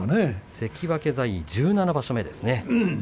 関脇在位１７場所です。